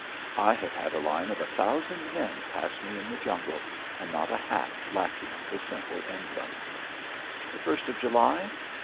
I have had a line of a thousand men pass me in the jungle and not a hat lacking the simple emblem. The first of July?